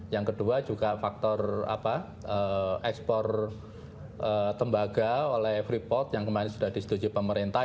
yang kedua juga faktor ekspor tembaga oleh freeport yang kemarin sudah disetujui pemerintah